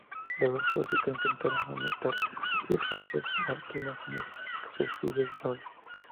Los de Fócida intentaron aumentar sus influencias marítimas en el Cefiso dorio.